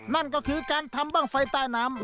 นั่นก็คือการทำบ้างไฟใต้น้ำ